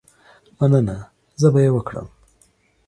مننه، زه به یې وکړم.